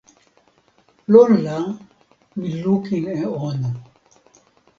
lon la, mi lukin e ona.